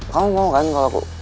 kamu mau kan kalau aku